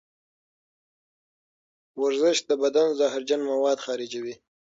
ورزش د بدن زهرجن مواد خارجوي.